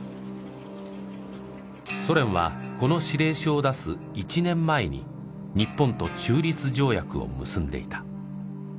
ソ連はこの指令書を出す１年前に日本と中立条約を結んでいた。